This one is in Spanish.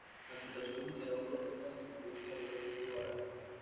La situación generó protestas que incluso salieron en vivo al aire.